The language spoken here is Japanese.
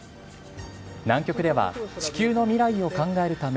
南極では、地球の未来を考えるため、